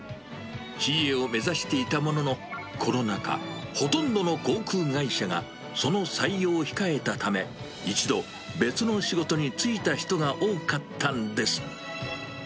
ＣＡを目指していたものの、コロナ禍、ほとんどの航空会社がその採用を控えたため、一度、別の仕事に就いた人が多かったんです。